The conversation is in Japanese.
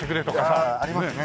ああありますね。